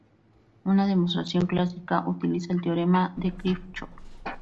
Una demostración clásica utiliza el teorema de Kirchhoff.